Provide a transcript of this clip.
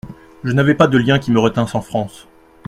Je n'avais pas de liens qui me retinssent en France.